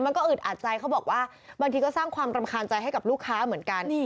อึดอัดใจเขาบอกว่าบางทีก็สร้างความรำคาญใจให้กับลูกค้าเหมือนกัน